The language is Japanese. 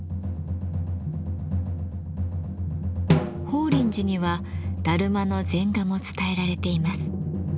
法輪寺にはダルマの禅画も伝えられています。